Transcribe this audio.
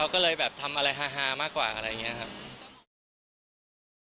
คือตอนนั้นหมากกว่าอะไรอย่างเงี้ย